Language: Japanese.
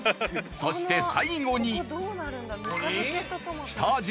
そして最後にうわ！